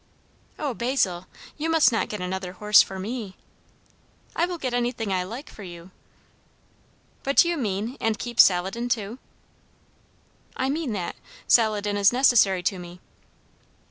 "O, Basil, you must not get another horse for me!" "I will get anything I like for you." "But do you mean, and keep Saladin too?" "I mean that. Saladin is necessary to me."